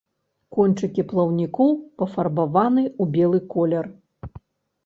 Кончыкі плаўнікоў пафарбаваны ў белы колер.